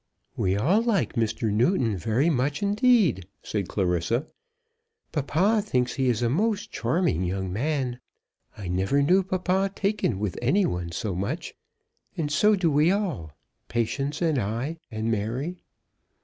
"We all like Mr. Newton very much indeed," said Clarissa. "Papa thinks he is a most charming young man. I never knew papa taken with any one so much. And so do we all, Patience and I, and Mary."